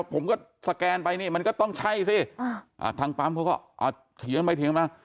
ผมก็สแกนไปนี่มันก็ต้องใช่สิทางปั๊มเขาก็เถียงไปเถียงมา